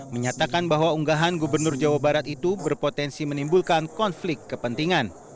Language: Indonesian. menyatakan bahwa unggahan gubernur jawa barat itu berpotensi menimbulkan konflik kepentingan